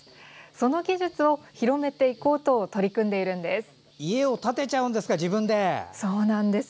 その技術を広めていこうと取り組んでいるんです。